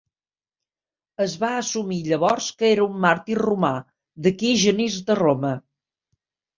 Es va assumir llavors que era un màrtir romà: d'aquí "Genís de Roma".